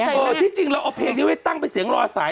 เออที่จริงเราเอาเพลงนี้ไว้ตั้งเป็นเสียงรอสาย